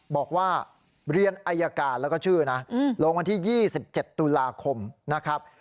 บอกว่าเรียนอายการแล้วก็ชื่อนะลงวันที่๒๗ตุลาคมนะครับ